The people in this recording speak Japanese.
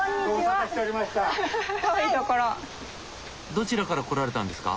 どちらから来られたんですか？